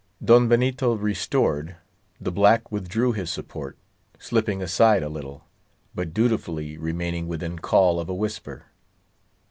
Don Benito restored, the black withdrew his support, slipping aside a little, but dutifully remaining within call of a whisper.